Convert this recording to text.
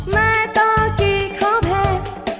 ไม่ต้องกี่ของแผน